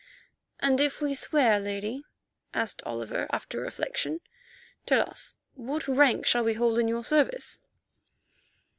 "And if we swear, Lady," asked Oliver after reflection, "tell us what rank shall we hold in your service?"